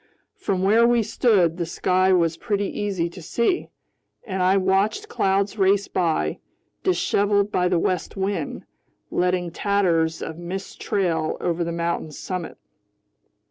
From where we stood, the sky was pretty easy to see, and I watched clouds race by, disheveled by the west wind, letting tatters of mist trail over the mountain's summit.